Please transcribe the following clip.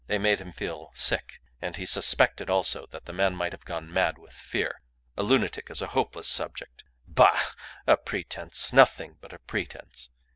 They made him feel sick. And he suspected also that the man might have gone mad with fear. A lunatic is a hopeless subject. Bah! A pretence. Nothing but a pretence.